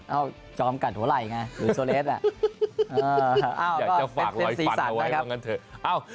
เอาจอมกัดหัวไหล่ไงหรือโซเลสอยากจะฝากรอยฟันเอาไว้ว่างั้นเถอะ